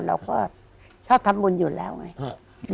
เราก็ชอบทำบุญอยู่แล้วไง